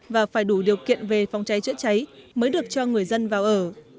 và phải đủ điều kiện về phòng cháy chữa cháy mới được cho người dân vào ở